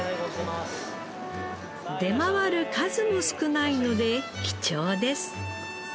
出回る数も少ないので貴重です。